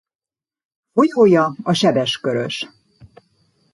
Folyója a Sebes-Körös.